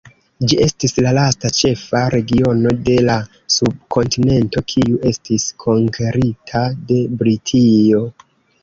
Ĝi estis la lasta ĉefa regiono de la subkontinento kiu estis konkerita de Britio.